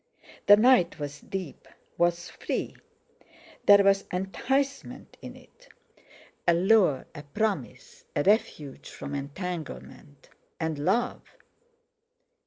The night was deep, was free—there was enticement in it; a lure, a promise, a refuge from entanglement, and love!